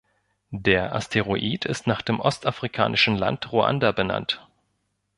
Der Asteroid ist nach dem ostafrikanischen Land Ruanda benannt.